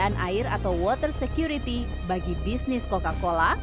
dan pengelolaan air atau water security bagi bisnis coca cola